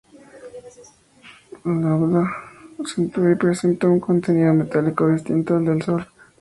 Lambda Centauri presenta un contenido metálico distinto al del Sol.